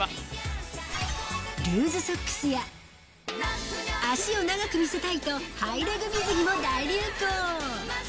ルーズソックスや、足を長く見せたいと、ハイレグ水着も大流行。